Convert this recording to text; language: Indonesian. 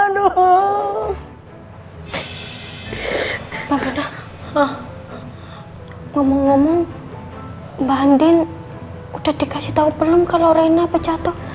mbak benda ngomong ngomong mbak andin udah dikasih tau belum kalau reina apa jatuh